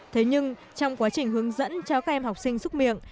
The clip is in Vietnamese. thế nhưng trong quá trình hướng dẫn cho các em học sinh xúc miệng